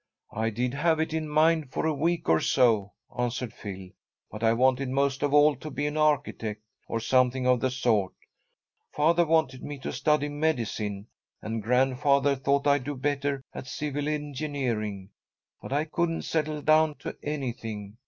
"I did have it in mind for a week or so," answered Phil, "but I wanted most of all to be an architect, or something of the sort. Father wanted me to study medicine, and grandfather thought I'd do better at civil engineering. But I couldn't settle down to anything.